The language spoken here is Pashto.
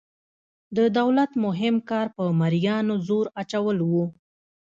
د دولت مهم کار په مرئیانو زور اچول وو.